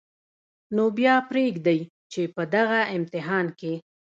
نو بیا پرېږدئ چې په دغه امتحان کې